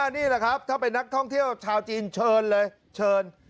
นี่แหละครับถ้าเป็นนักท่องเที่ยวชาวจีนเชิญเลยเชิญ